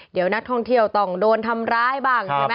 เดี๋ยวนักท่องเที่ยวต้องโดนทำร้ายบ้างใช่ไหม